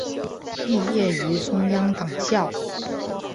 毕业于中央党校。